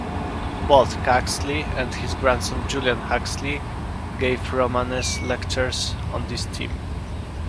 Both Huxley and his grandson Julian Huxley gave Romanes Lectures on this theme.